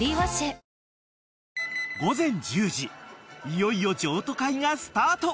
［いよいよ譲渡会がスタート］